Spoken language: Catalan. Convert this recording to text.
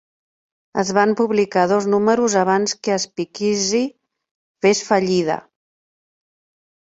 Es van publicar dos números abans que Speakeasy fes fallida.